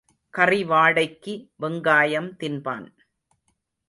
கறி வாடைக்கு வெங்காயம் தின்பான்.